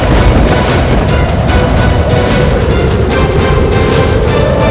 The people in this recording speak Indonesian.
semoga allah selalu melindungi kita